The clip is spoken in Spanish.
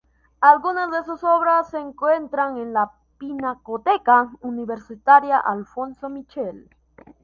Algunas de sus obras se encuentran en la Pinacoteca Universitaria Alfonso Michel.